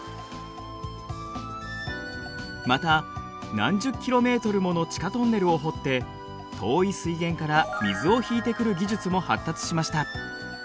また何十ｋｍもの地下トンネルを掘って遠い水源から水を引いてくる技術も発達しました。